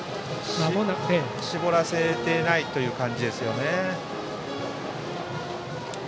絞らせていないという感じですね。